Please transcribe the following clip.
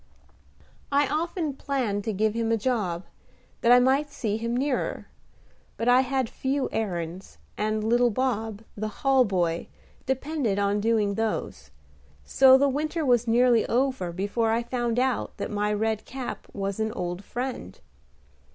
I often planned to give him a job, that I might see him nearer; but I had few errands, and little Bob, the hall boy, depended on doing those: so the winter was nearly over before I found out that my Red Cap was an old friend.